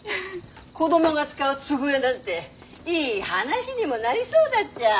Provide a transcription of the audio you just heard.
子供が使う机なんていい話にもなりそうだっちゃ。